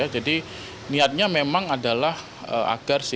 niatnya memang adalah agar si